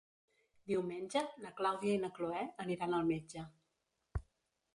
Diumenge na Clàudia i na Cloè aniran al metge.